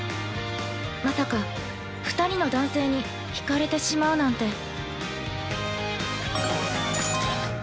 まさか２人の男性にひかれてしまうなんて。